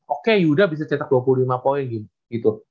oke yuda bisa cetak dua puluh lima poin gitu